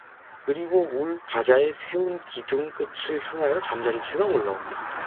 그리고 울 바자에 세운 기둥 끝을 향하여 잠자리채가 올라온다.